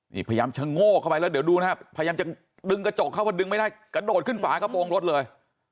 นี่พยายามชะโงกเข้าไปแล้วเดี๋ยวดูนะครับพยายามจะดึงกระจกเข้ามาดึงไม่ได้กระโดดขึ้นฝากระโปรงรถเลย